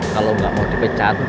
kalau gak mau dipecat